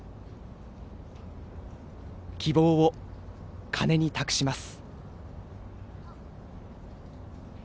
希望を鐘に託します。